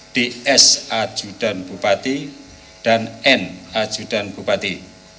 ds ajudan bupati dan n ajudan bupati